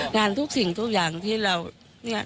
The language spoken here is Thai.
งานทุกสิ่งทุกอย่างที่เรา